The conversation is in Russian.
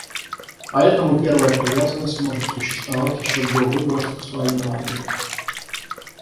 Поэтому первая привязанность может существовать еще до выбора сексуального объекта.